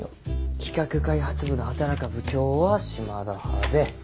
企画開発部の畑中部長は島田派で。